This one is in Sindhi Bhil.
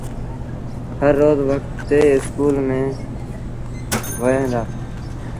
هر روز وکت ٿي اسڪول ميݩ وهيݩ دآ۔